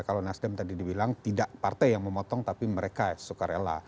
kalau nasdem tadi dibilang tidak partai yang memotong tapi mereka suka rela